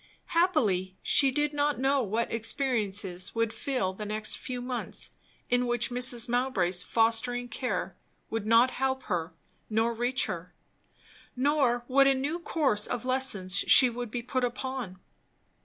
Happily she did not know what experiences would fill the next few months, in which Mrs. Mowbray's fostering care would not help her nor reach her; nor what a new course of lessons she would be put upon.